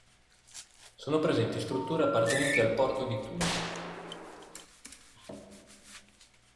Sono presenti strutture appartenenti al porto di Tunisi.